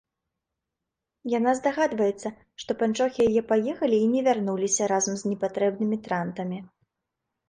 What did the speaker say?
Яна здагадваецца, што панчохі яе паехалі і не вярнуліся разам з непатрэбнымі трантамі.